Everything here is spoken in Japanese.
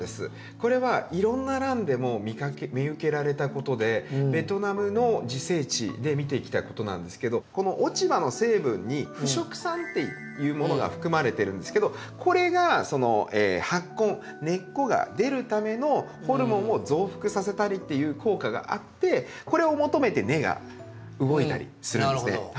これはいろんなランでも見受けられたことでベトナムの自生地で見てきたことなんですけどこの落ち葉の成分に「腐植酸」というものが含まれてるんですけどこれがその発根根っこが出るためのホルモンを増幅させたりという効果があってこれを求めて根が動いたりするんですね。